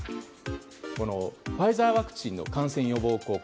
ファイザーワクチンの感染予防効果